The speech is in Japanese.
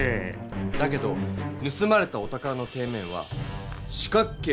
だけどぬすまれたお宝の底面は四角形なんですよ。